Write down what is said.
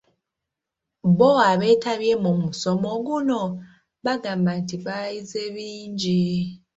Bo abeetabye mu musomo guno, bagamba nti baayize bingi.